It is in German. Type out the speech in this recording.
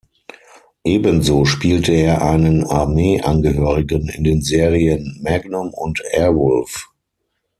Ebenso spielte er einen Armee-Angehörigen in den Serien "Magnum" und "Airwolf".